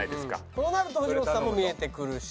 そうなると藤本さんも見えてくるし。